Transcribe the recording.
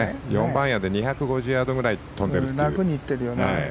４番アイアンで２５０ヤードぐらい飛んでるという。